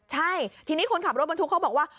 ใช่ทีนี้คนขับรถบรรทุกเขาบอกว่า